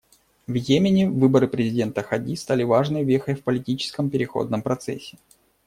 В Йемене выборы президента Хади стали важной вехой в политическом переходном процессе.